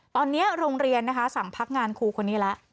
ตอนนี้โรงเรียนนะคะสั่งพักงานครูคนนี้แล้ว